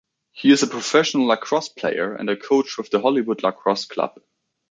He is a professional Lacrosse player and coach with the Hollywood Lacrosse Club.